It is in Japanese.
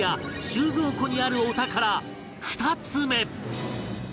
収蔵庫にあるお宝２つ目